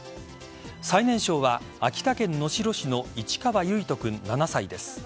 最年少は、秋田県能代市の市川唯人君、７歳です。